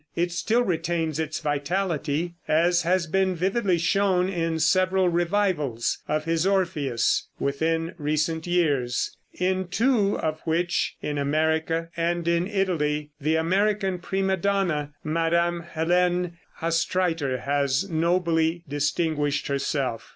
It still retains its vitality, as has been vividly shown in several revivals of his "Orpheus" within recent years, in two of which (in America and in Italy) the American prima donna, Mme. Helène Hastreiter, has nobly distinguished herself.